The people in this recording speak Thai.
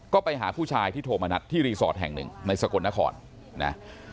ก็ไปหาผู้ชายที่โทรมานัดที่รีสอร์ทแห่งหนึ่งในสกลนครนะ